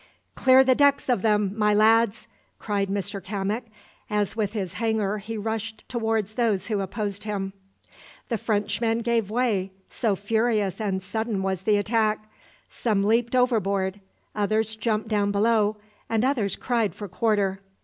"Clear the decks of them, my lads!" cried Mr Cammock, as with his hanger he rushed towards those who opposed him. The Frenchmen gave way, so furious and sudden was the attack. Some leaped overboard, others jumped down below, and others cried for quarter.